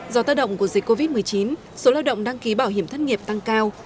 do tác động của dịch covid một mươi chín số lao động đăng ký bảo hiểm thất nghiệp tăng cao